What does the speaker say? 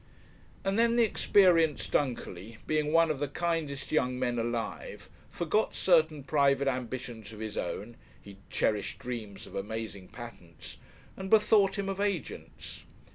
And then the experienced Dunkerley, being one of the kindest young men alive, forgot certain private ambitions of his own he cherished dreams of amazing patents and bethought him of agents.